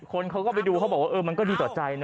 คนเขาก็ไปดูเขาบอกว่าเออมันก็ดีต่อใจนะ